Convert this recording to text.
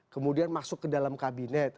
kemudian masuk ke dalam kabinet